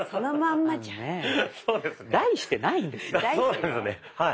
そうですねはい。